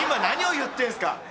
何を言ってるんすか！